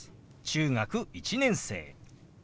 「中学１年生」。